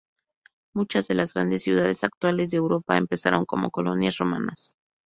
Muchas de las grandes ciudades actuales de Europa empezaron como colonias romanas.